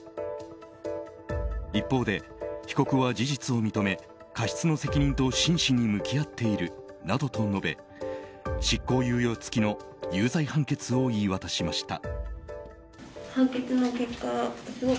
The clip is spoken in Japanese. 一方で被告は事実を認め過失の責任と真摯に向き合っているなどと述べ執行猶予付きの有罪判決を言い渡しました。